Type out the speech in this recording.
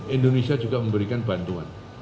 indonesia juga memberikan bantuan